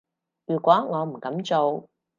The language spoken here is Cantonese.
如果我唔噉做